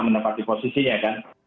menempatkan posisinya kan